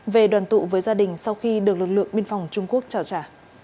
về đoàn tụ với gia đình sau khi được lực lượng biên phòng trung quốc trao trả